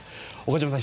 岡島さん